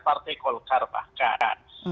partai golkar bahkan